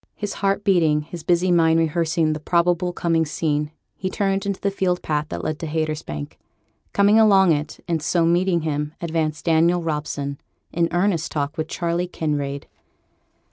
His heart beating, his busy mind rehearsing the probable coming scene, he turned into the field path that led to Haytersbank. Coming along it, and so meeting him, advanced Daniel Robson, in earnest talk with Charley Kinraid.